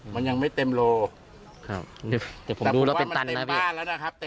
มันยังไม่เต็มโลครับแต่ผมดูแล้วเป็นตันนะพี่